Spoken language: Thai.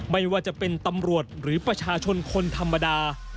ไม่ว่าจะเป็นตำรวจหรือประชาชนคนธรรมดา